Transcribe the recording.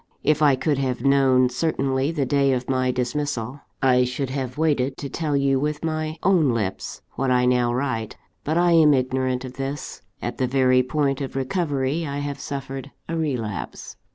If I could have known certainly the day of my dismissal, I should have waited to tell you with my own lips what I now write but I am ignorant of this. At the very point of recovery I have suffered a relapse.